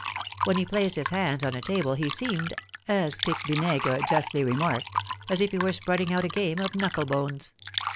When he placed his hands on a table he seemed, as Pique Vinaigre justly remarked, as if he were spreading out a game of knuckle bones.